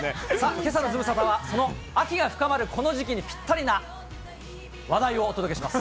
けさのズムサタは、その秋が深まるこの時期にぴったりな話題をお届けします。